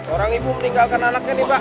orang ibu meninggalkan anaknya nih pak